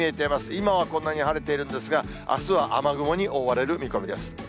今はこんなに晴れているんですが、あすは雨雲に覆われる見込みです。